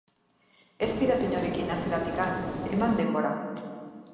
Ez fidatu inorekin haseratikan, eman denbora.